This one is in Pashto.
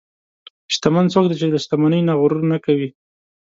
شتمن څوک دی چې له شتمنۍ نه غرور نه کوي.